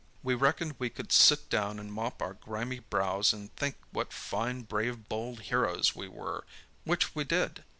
We reckoned we could sit down and mop our grimy brows and think what fine, brave, bold heroes we were! Which we did.